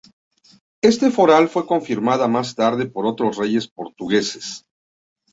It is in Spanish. Este foral fue confirmada más tarde por otros reyes portugueses.